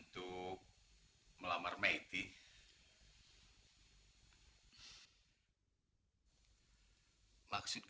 tidak tidak tidak